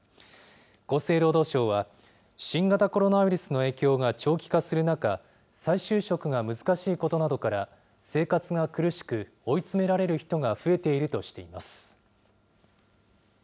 厚生労働省は、新型コロナウイルスの影響が長期化する中、再就職が難しいことなどから、生活が苦しく、追い詰められる人が増えているとしています。